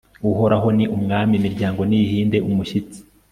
uhoraho ni umwami, imiryango nihinde umushyitsi